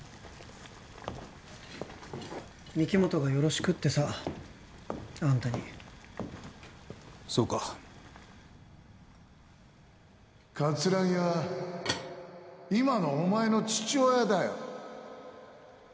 御木本がよろしくってさあんたにそうか桂木は今のお前の父親だよ